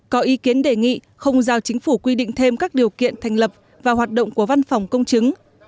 có ý kiến đề nghị không giao chính phủ quy định thêm các điều kiện thành lập và hoạt động của văn phòng công chứng